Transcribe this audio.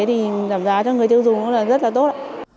thì giảm giá cho người tiêu dùng cũng là rất là tốt